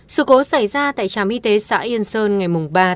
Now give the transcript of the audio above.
sự cố xảy ra tại trám y tế xã yên sơn ngày ba một mươi một